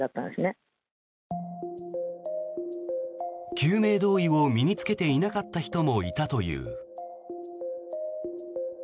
救命胴衣を身に着けていなかった人もいたという。